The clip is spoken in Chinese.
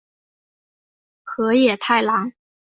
河野太郎。